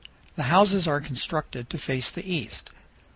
The houses are constructed to face the east.